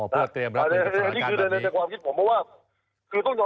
เพื่อเตรียมรับเงินอย่างนั้น